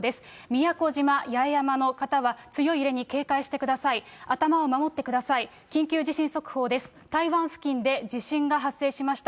宮古島、八重山の方は強い揺れに警戒してください、頭を守ってください、緊急地震速報です。